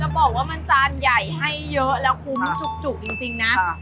บอกว่ามันจานใหญ่ให้เยอะแล้วคุ้มจุกจริงนะ